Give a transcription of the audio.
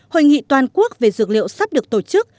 hội nghị toàn quốc về dược liệu sắp được tổ chức